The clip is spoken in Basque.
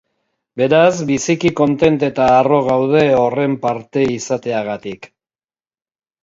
Beraz biziki kontent eta harro gaude horren parte izateagatik.